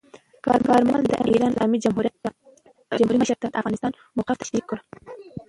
کارمل د ایران اسلامي جمهوریت مشر ته د افغانستان موقف تشریح کړ.